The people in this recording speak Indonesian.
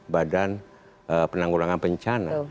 badan penanggulangan pencana